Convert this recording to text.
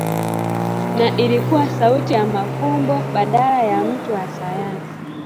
na ilikuwa sauti ya mafumbo badala ya mtu wa sayansi